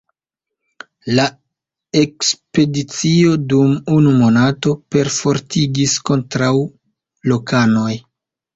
La ekspedicio dum unu monato perfortegis kontraŭ lokanoj.